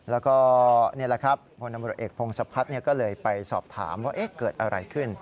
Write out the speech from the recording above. อันนี้ละครับงเอกพรงซับพลัดก็ไปสอบถามว่าเกิดอะไรขึ้น